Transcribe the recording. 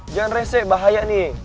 jangan rese bahaya nih